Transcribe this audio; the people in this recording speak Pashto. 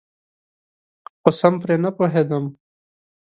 خو سم پرې نپوهیدم.